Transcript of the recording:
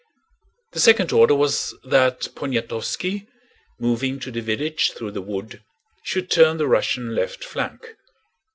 The second order was that Poniatowski, moving to the village through the wood, should turn the Russian left flank.